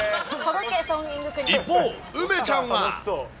一方、梅ちゃんは。